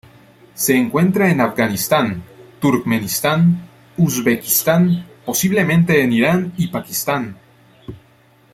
Se encuentra en Afganistán, Turkmenistán, Uzbekistán, posiblemente en Irán y Pakistán.